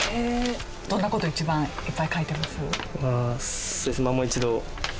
どんな事一番いっぱい書いてます？